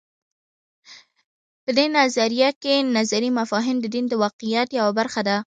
په دې نظریه کې نظري مفاهیم د دین د واقعیت یوه برخه ده.